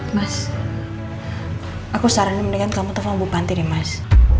mas aku saranin mendingan kamu telfon bupanti deh mas